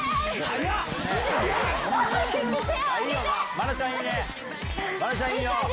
愛菜ちゃんいいね。